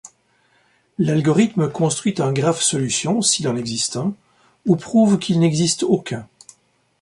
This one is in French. L'algorithme construit un graphe solution s'il en existe un, ou prouve qu'il n'existe aucun.